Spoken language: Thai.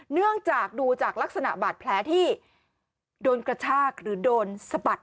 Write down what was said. เนื่องจากดูจากลักษณะบาดแผลที่โดนกระชากหรือโดนสะบัด